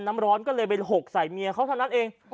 น้ำร้อนก็เลยไปหกใส่เมียเขาเท่านั้นเอง